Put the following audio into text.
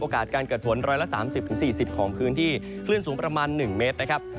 การเกิดฝน๑๓๐๔๐ของพื้นที่คลื่นสูงประมาณ๑เมตรนะครับ